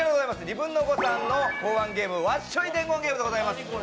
ニブンノゴ！さんの考案ゲーム「わっしょい伝言ゲーム」でございます。